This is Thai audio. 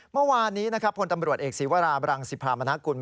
เมื่อวานนี้นะครับพลตำรวจเอกศีวราบรังสิพรามนากุล